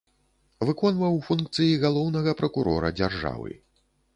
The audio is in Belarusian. Выконваў функцыі галоўнага пракурора дзяржавы.